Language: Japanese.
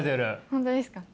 本当ですか？